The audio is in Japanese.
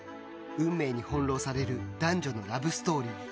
運命に翻弄される男女のラブストーリー。